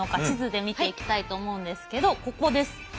地図で見ていきたいと思うんですけどここです。